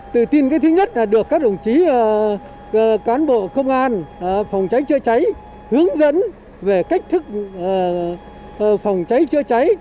tự tin thứ nhất là được các đồng chí cán bộ công an phòng cháy chữa cháy hướng dẫn về cách thức phòng cháy chữa cháy